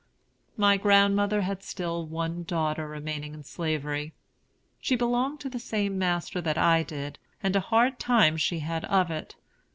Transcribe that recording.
My grandmother had still one daughter remaining in Slavery. She belonged to the same master that I did; and a hard time she had of it.